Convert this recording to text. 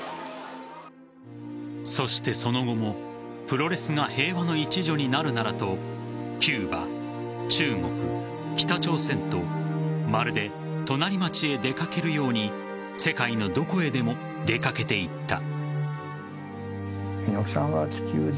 そして、その後もプロレスが平和の一助になるならとキューバ、中国、北朝鮮とまるで隣町へ出かけるように世界のどこへでも出かけていった。